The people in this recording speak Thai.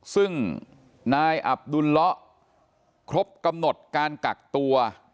ซึ่งนายอับดุลเลาะครบกำหนดการกักตัว